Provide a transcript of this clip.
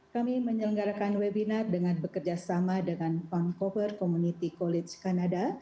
kami menyelenggarakan webinar dengan bekerjasama dengan concover community college kanada